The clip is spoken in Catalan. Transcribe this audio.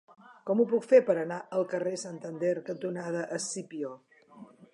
Com ho puc fer per anar al carrer Santander cantonada Escipió?